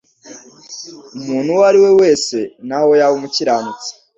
Umuntu uwo ari we wese, naho yaba umukiranutsi